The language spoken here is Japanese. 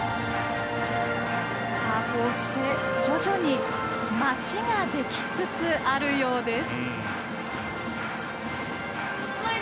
こうして、徐々に街が、できつつあるようです。